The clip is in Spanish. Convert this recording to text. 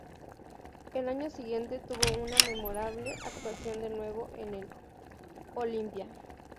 El año siguiente tuvo una memorable actuación de nuevo en el "Olympia".